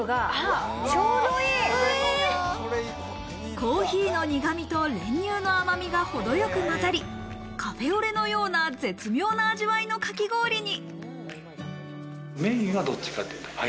コーヒーの苦味と練乳の甘みが程よく混ざり、カフェオレのような絶妙な味わいのかき氷に。